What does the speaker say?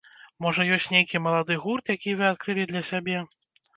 Можа ёсць нейкі малады гурт, які вы адкрылі для сябе?